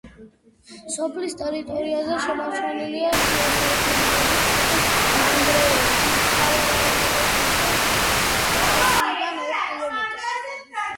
სოფლის ტერიტორიაზე შემორჩენილია შუასაუკუნეების ციხის ნანგრევები, მთავარანგელოზის ეკლესიიდან ორ კილომეტრში.